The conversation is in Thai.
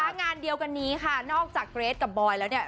งานเดียวกันนี้ค่ะนอกจากเกรทกับบอยแล้วเนี่ย